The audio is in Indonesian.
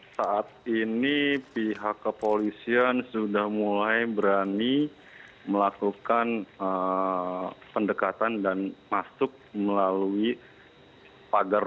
saat ini pihak kepolisian sudah mulai berani melakukan pendekatan dan masuk melalui pagar